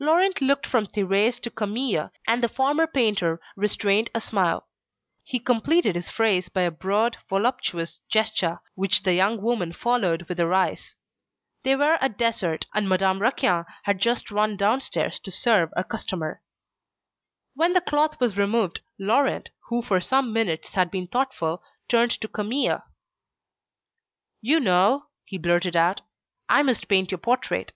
Laurent looked from Thérèse to Camille, and the former painter restrained a smile. He completed his phrase by a broad voluptuous gesture, which the young woman followed with her eyes. They were at dessert, and Madame Raquin had just run downstairs to serve a customer. When the cloth was removed Laurent, who for some minutes had been thoughtful, turned to Camille. "You know," he blurted out, "I must paint your portrait."